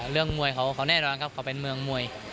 เรื่องมวยเขาแน่นอนครับเขาเป็นเมืองมวย